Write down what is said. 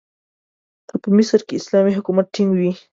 که په مصر کې اسلامي حکومت ټینګ وي.